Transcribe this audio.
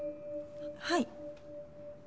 はい。